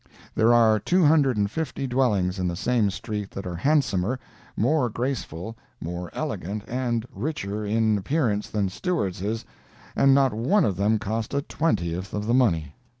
There are two hundred and fifty dwellings in the same street that are handsomer, more graceful, more elegant and richer in appearance than Stewart's is, and not one of them cost a twentieth of the money.